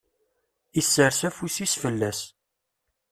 Isers afus-is fell-as.